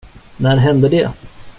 När hände det?